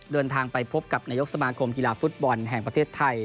เดินทางไปพบกับนายกสมาคมกีฬาฟุตบอลแห่งประเทศไทย